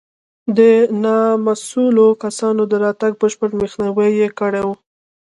د نامسوولو کسانو د راتګ بشپړ مخنیوی یې کړی و.